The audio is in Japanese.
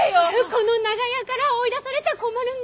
この長屋から追い出されちゃ困るんだ。